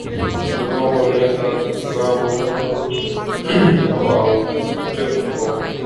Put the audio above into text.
صبح ہونے تک نہ بولو ہم نواؤ ، چُپ رہو